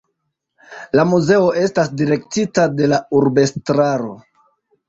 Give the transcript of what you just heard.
La muzeo estas direktita de la urbestraro.